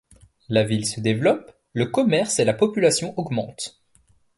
La ville se développe, le commerce et la population augmentent.